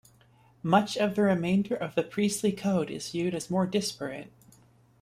Much of the remainder of the Priestly Code is viewed as more disparate.